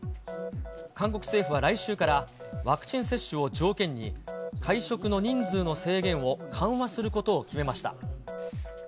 韓国政府は来週から、ワクチン接種を条件に、会食の人数の制限を緩和することを決めました。